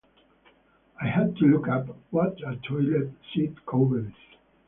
I had to look up what a toilet seat cover is.